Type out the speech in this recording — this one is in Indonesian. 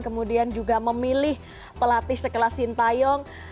kemudian juga memilih pelatih sekelas sintayong